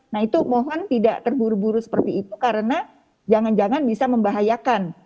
nah itu mohon tidak terburu buru seperti itu karena jangan jangan bisa membahayakan